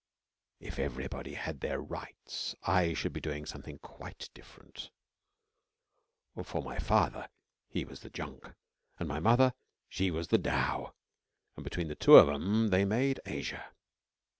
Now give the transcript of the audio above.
'If everybody had their rights I should be doing something quite different; for my father, he was the Junk, and my mother, she was the Dhow, and between the two of 'em they made Asia.'